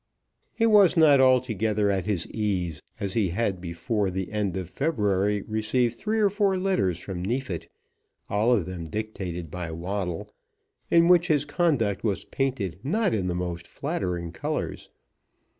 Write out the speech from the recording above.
He was not altogether at his ease, as he had before the end of February received three or four letters from Neefit, all of them dictated by Waddle, in which his conduct was painted not in the most flattering colours.